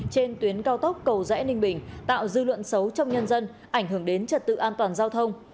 trên tuyến cao tốc cầu rẽ ninh bình tạo dư luận xấu trong nhân dân ảnh hưởng đến trật tự an toàn giao thông